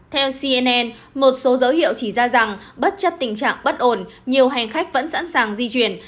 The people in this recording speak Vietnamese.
theo cnn một số dấu hiệu chỉ ra rằng bất chấp tình trạng bất ổn nhiều hành khách vẫn sẵn sàng di chuyển